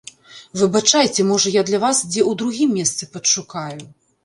Выбачайце, можа, я для вас дзе ў другім месцы падшукаю.